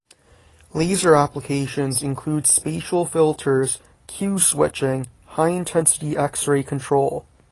Laser applications include spatial filters, Q-switching, high intensity x-ray control.